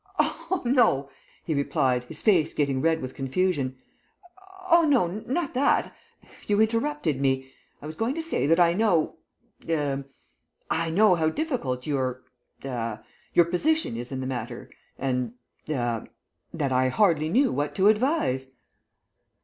"Oh, no!" he replied, his face getting red with confusion. "Oh, no, not that. You interrupted me. I was going to say that I know er I know how difficult your er your position is in the matter, and er that I hardly knew what to advise."